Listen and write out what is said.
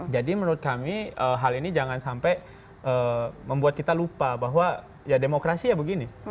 jadi menurut kami hal ini jangan sampai membuat kita lupa bahwa ya demokrasi ya begini